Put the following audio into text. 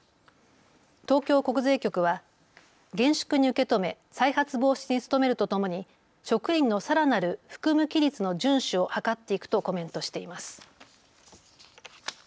東京国税局は厳粛に受け止め再発防止に努めるとともに職員のさらなる服務規律の順守を図っていくとコメントしています。